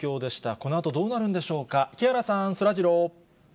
このあとどうなるんでしょうか、木原さん、そらジロー。